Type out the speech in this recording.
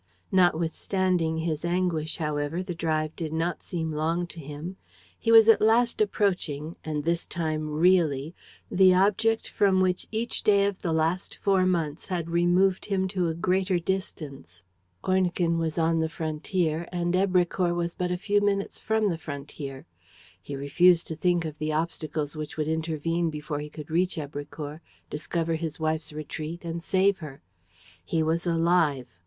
Notwithstanding his anguish, however, the drive did not seem long to him. He was at last approaching and this time really the object from which each day of the last four months had removed him to a greater distance. Ornequin was on the frontier; and Èbrecourt was but a few minutes from the frontier. He refused to think of the obstacles which would intervene before he could reach Èbrecourt, discover his wife's retreat and save her. He was alive.